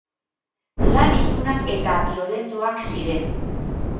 Lan ilunak eta biolentoak ziren.